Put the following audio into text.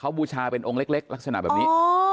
เขาบูชาเป็นองค์เล็กลักษณะแบบนี้